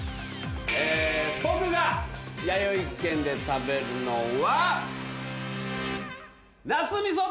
僕がやよい軒で食べるのは。